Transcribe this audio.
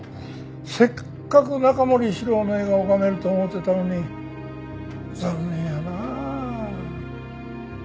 せっかく中森司郎の絵が拝めると思うてたのに残念やなあ。